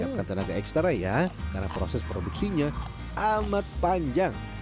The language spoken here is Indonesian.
siapkan tenaga eksternal ya karena proses produksinya amat panjang